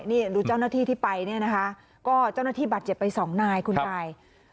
นี่ดูเจ้าหน้าที่ที่ไปเนี่ยนะคะก็เจ้าหน้าที่บาดเจ็บไปสองนายคุณยาย